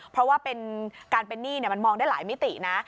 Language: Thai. เพราะว่าการเป็นหนี้มันมองได้หลายมิตินะ